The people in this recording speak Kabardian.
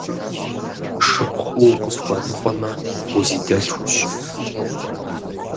Шыпхъуу укъысхуэныкъуэмэ, узидэлъхущ.